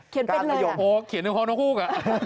เขียนเป็นเลยโอ้เขียนเป็นของน้องฮูก